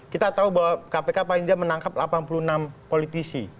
kita tahu bahwa kpk paling tidak menangkap delapan puluh enam politisi